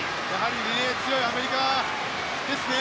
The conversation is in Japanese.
リレーに強いアメリカですね。